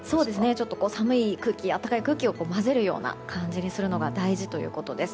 ちょっと寒い空気暖かい空気を混ぜるような感じにするのが大事ということです。